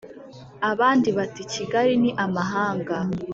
abandi bati: "Kigali ni amahanga"